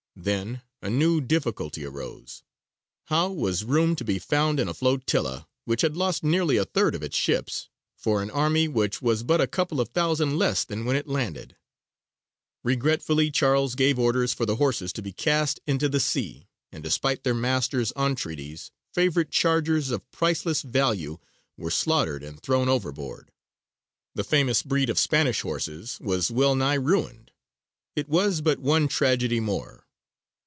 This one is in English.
Then a new difficulty arose: how was room to be found in a flotilla, which had lost nearly a third of its ships, for an army which was but a couple of thousand less than when it landed? Regretfully Charles gave orders for the horses to be cast into the sea, and, despite their masters' entreaties, favourite chargers of priceless value were slaughtered and thrown overboard. The famous breed of Spanish horses was well nigh ruined. It was but one tragedy more.